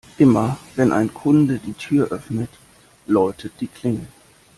Immer, wenn ein Kunde die Tür öffnet, läutet die Klingel.